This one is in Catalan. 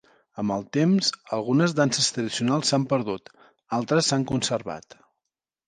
Amb el temps algunes danses tradicionals s'han perdut, altres s'han conservat.